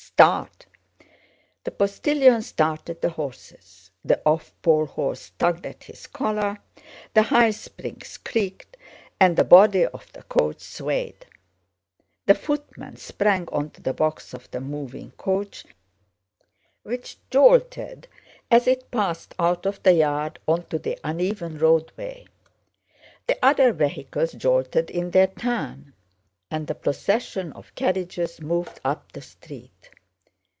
"Start!" The postilion started the horses, the off pole horse tugged at his collar, the high springs creaked, and the body of the coach swayed. The footman sprang onto the box of the moving coach which jolted as it passed out of the yard onto the uneven roadway; the other vehicles jolted in their turn, and the procession of carriages moved up the street.